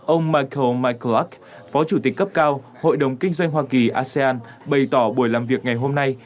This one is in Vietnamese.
ông mikeo mikelak phó chủ tịch cấp cao hội đồng kinh doanh hoa kỳ asean bày tỏ buổi làm việc ngày hôm nay